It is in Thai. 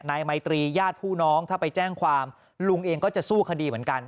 นายไมตรีญาติผู้น้องถ้าไปแจ้งความลุงเองก็จะสู้คดีเหมือนกัน